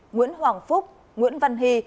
nguyễn hoàng phúc nguyễn văn hy